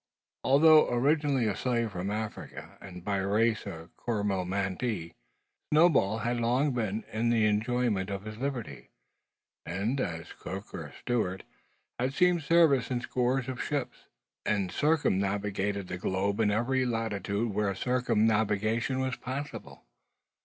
Although originally a slave from Africa, and by race a Coromantee, Snowball had long been in the enjoyment of his liberty; and, as cook or steward, had seen service in scores of ships, and circumnavigated the globe in almost every latitude where circumnavigation was possible.